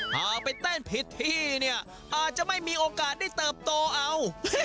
พาไปเต้นผิดที่เนี่ยอาจจะไม่มีโอกาสได้เติบโตเอา